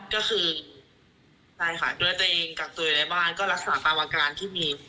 ใช่ค่ะก็คือดูแลตัวเองกับตัวในบ้านก็รักษาตามอาการที่มี